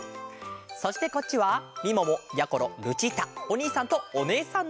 そしてこっちはみももやころルチータおにいさんとおねえさんのえ！